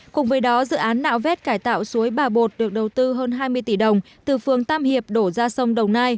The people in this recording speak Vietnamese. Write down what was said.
cùng với đó dự án nạo vét cải tạo suối bà bột được đầu tư hơn hai mươi tỷ đồng từ phương tam hiệp đổ ra sông đồng nai